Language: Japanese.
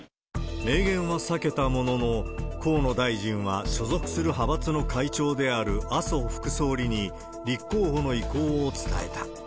明言は避けたものの、河野大臣は所属する派閥の会長である麻生副総理に、立候補の意向を伝えた。